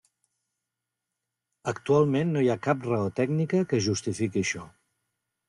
Actualment no hi ha cap raó tècnica que justifiqui això.